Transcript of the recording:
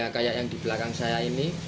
kayak yang di belakang saya ini